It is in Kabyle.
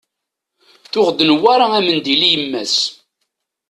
Tuɣ-d Newwara amendil i yemma-s.